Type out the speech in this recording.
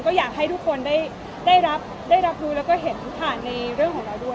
ก็อยากให้ทุกคนได้รับดูและเห็นก์คว่าในเรื่องของเราได้ด้วย